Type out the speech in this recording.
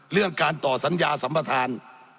เรื่องการต่อสัญญาสัมปทาน